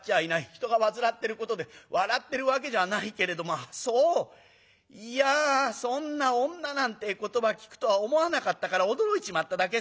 人が煩ってることで笑ってるわけじゃないけれどもそういやそんな『女』なんて言葉聞くとは思わなかったから驚いちまっただけ。